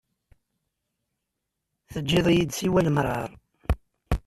Teǧǧiḍ-iyi-d siwa lemṛaṛ.